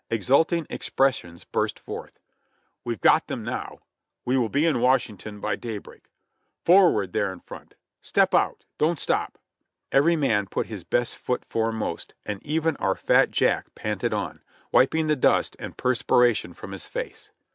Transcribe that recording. Exulting expressions burst forth, "We've got them now !" "We will be in Washington by daybreak !" "Forward, there in front !" "Step out!" "Don't stop!'' Every man put his best foot foremost, and even our fat Jack panted on, wiping the dust and perspiration from his face.